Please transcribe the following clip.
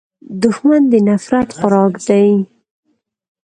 دښمن د نفرت خوراک دی